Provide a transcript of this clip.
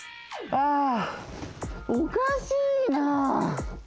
ああおかしいな。